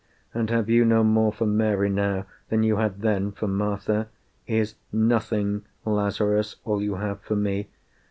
And have you no more For Mary now than you had then for Martha? Is Nothing, Lazarus, all you have for me?